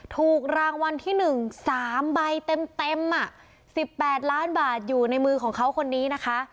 ถูกรางวัลที่๑๓ใบเต็ม๑๘ล้านบาทอยู่ในมือของเขาคนนี้นะคะ